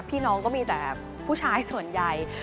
พี่น้องก็มีแต่ผู้ชายส่วนใหญ่